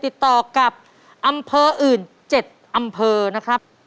ติดต่อกับอำเภออื่น๗อำเภอนะครับ